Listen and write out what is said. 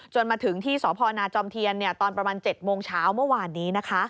มาถึงที่สพนจอมเทียนตอนประมาณ๗โมงเช้าเมื่อวานนี้นะคะ